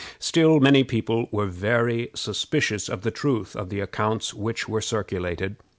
Still many people were very suspicious of the truth of the accounts which were circulated.